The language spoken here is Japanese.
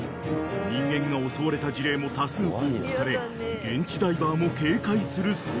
［人間が襲われた事例も多数報告され現地ダイバーも警戒する存在］